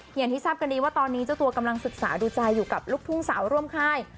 อย่างที่ทราบกันดีว่าตอนนี้เจ้าตัวกำลังศึกษาดูใจอยู่กับลูกทุ่งสาวร่วมค่าย